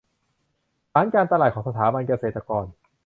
ฐานการตลาดของสถาบันเกษตรกร